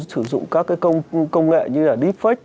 sử dụng các cái công nghệ như là deepfake